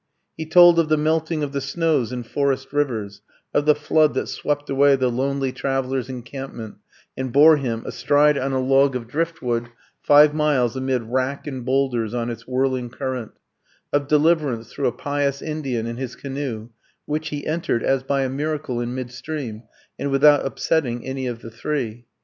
He told of the melting of the snows in forest rivers; of the flood that swept away the lonely traveller's encampment, and bore him, astride on a log of driftwood, five miles amid wrack and boulders on its whirling current; of deliverance through a pious Indian and his canoe, which he entered as by a miracle in mid stream, and without upsetting any of the three.